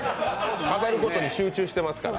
飾ることに集中してますから。